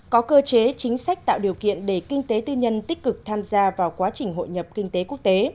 có cơ chế chính sách tạo điều kiện để kinh tế tư nhân tích cực tham gia vào quá trình hội nhập kinh tế quốc tế